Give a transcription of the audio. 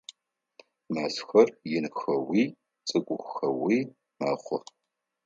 Мэзхэр инхэуи цӏыкӏухэуи мэхъух.